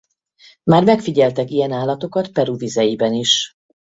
Már megfigyeltek ilyen állatokat Peru vizeiben is.